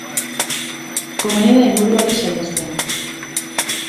Komeni da inguru hori saihestea.